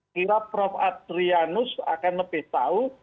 kira prof adrianus akan lebih tahu